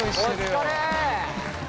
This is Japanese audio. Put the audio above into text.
お疲れ。